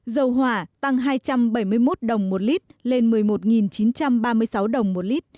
dầu hỏa tăng hai trăm bảy mươi một đồng một lít lên một mươi một chín trăm ba mươi sáu đồng một lít